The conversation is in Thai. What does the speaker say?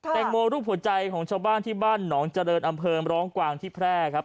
แตงโมรูปหัวใจของชาวบ้านที่บ้านหนองเจริญอำเภอร้องกวางที่แพร่ครับ